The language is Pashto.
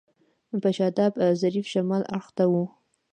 په شاداب ظفر شمال اړخ ته و.